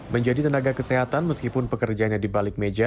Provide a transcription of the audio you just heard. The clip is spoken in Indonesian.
menjadi tenaga kesehatan meskipun pekerjaannya di balik meja